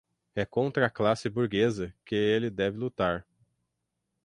é contra a classe burguesa que ele deve lutar